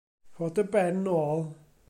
Rho dy ben nôl.